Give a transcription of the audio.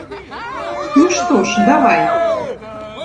Ну, што ж, давай!